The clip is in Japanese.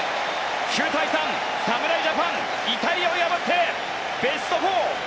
９対３、侍ジャパンイタリアを破ってベスト４。